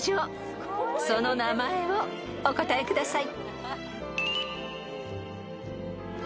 ［その名前をお答えください］